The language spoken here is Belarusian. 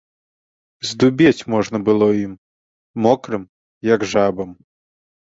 Здубець можна было ім, мокрым, як жабам.